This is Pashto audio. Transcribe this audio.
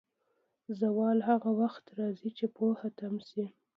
زوال هغه وخت راځي، چې پوهه تم شي.